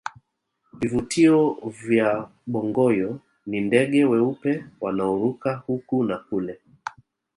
vivutio vya bongoyo ni ndege weupe wanaoruka huku na kule